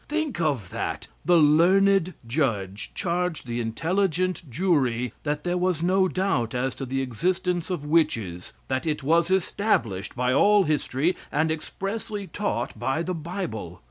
Think of that! The learned judge charged the intelligent jury that there was no doubt as to the existence of witches, that it was established by all history and expressly taught by the Bible.